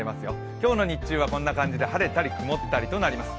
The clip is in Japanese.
今日の日中はこんな感じで晴れたり曇ったりとなります。